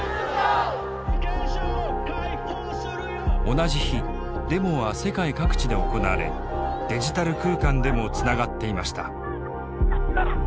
同じ日デモは世界各地で行われデジタル空間でもつながっていました。